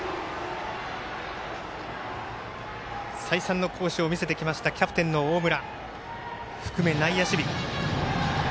再三の好守を見せてきましたキャプテンの大村。